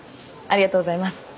ありがとうございます。